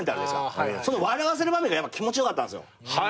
その笑わせる場面が気持ち良かったんすよ。